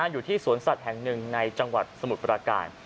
อยู่ที่สวนสัตว์แห่งหนึ่งในจังหวัดสมุทรประการ